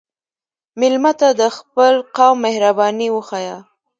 مېلمه ته د خپل قوم مهرباني وښیه.